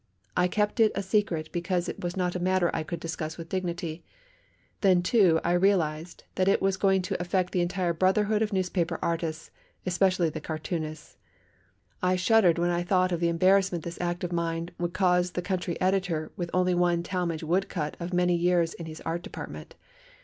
I kept it a secret because it was not a matter I could discuss with any dignity. Then, too, I realised that it was going to affect the entire brotherhood of newspaper artists, especially the cartoonists. I shuddered when I thought of the embarrassment this act of mine would cause the country editor with only one Talmage woodcut of many years in his art department.